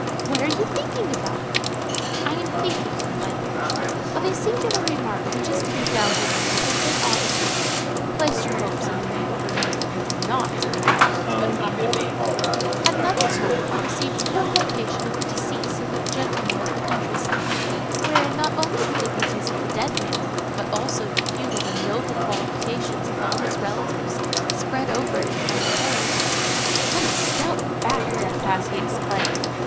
What are you thinking about?" "I am thinking," replied the Bishop, "of a singular remark, which is to be found, I believe, in St. Augustine,—'Place your hopes in the man from whom you do not inherit.'" At another time, on receiving a notification of the decease of a gentleman of the country side, wherein not only the dignities of the dead man, but also the feudal and noble qualifications of all his relatives, spread over an entire page: "What a stout back Death has!" he exclaimed.